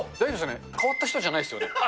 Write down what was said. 変わった人じゃないですよね？